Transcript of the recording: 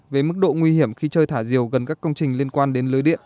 với mức độ nguy hiểm khi chơi thả diều gần các công trình liên quan đến lới điện